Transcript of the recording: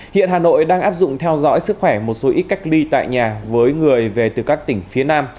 hiện hà nội đang áp dụng theo dõi sức khỏe một số ít cách ly tại nhà với người về từ các tỉnh phía nam